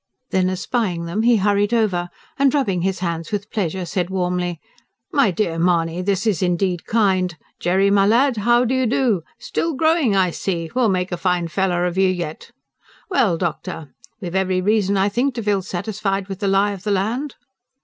Then espying them, he hurried over, and rubbing his hands with pleasure said warmly: "My dear Mahony, this is indeed kind! Jerry, my lad, how do, how do? Still growing, I see! We'll make a fine fellow of you yet. Well, doctor! ... we've every reason, I think, to feel satisfied with the lie of the land."